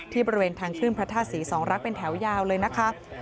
ที่ประเวนทางขึ้นพระท่าศรีสองรักษ์เป็นแถวยาวเลยนะครับ